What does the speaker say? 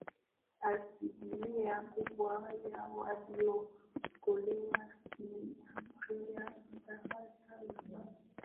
asilimia kubwa ya waliyookolewa ni abiria wa daraja la kwanza